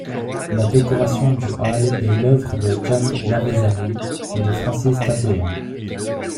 La décoration du hall est l'œuvre de Jan Lavezzari et de Francis Tattegrain.